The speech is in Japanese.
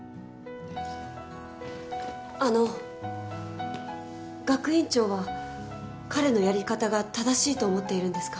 あの学院長は彼のやり方が正しいと思っているんですか？